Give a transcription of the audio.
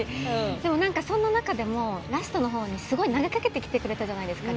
でも、そんな中でもラストの方に、すごい投げかけてきてくれたじゃないですか。